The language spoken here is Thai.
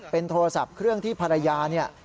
เป็นโทรศัพท์เครื่องที่ภรรยาเนี่ย